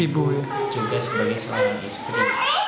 ibu juga sebagai seorang istri